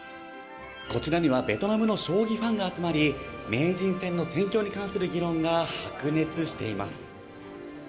こちらには、ベトナムの将棋ファンが集まり、名人戦の戦況に関する議論が白熱しています。